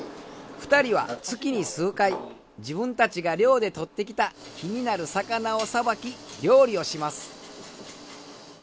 ２人は月に数回自分たちが漁でとってきた気になる魚をさばき料理をします。